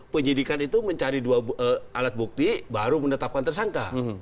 penyelidikan itu mencari alat bukti baru menetapkan tersangka